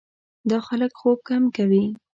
دا خلک خوب کم کوي.